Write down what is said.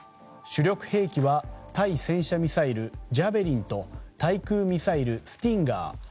主力兵器は対戦車ミサイル「ジャベリン」と対空ミサイルの「スティンガー」